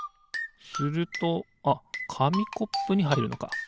するとあっかみコップにはいるのか。